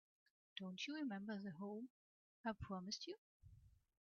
Don't you remember the home I promised you?